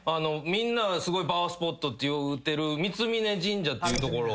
みんなすごいパワースポットって言うてる三峯神社っていう所。